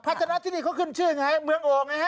ชนะที่นี่เขาขึ้นชื่อยังไงเมืองโอ่งไงฮะ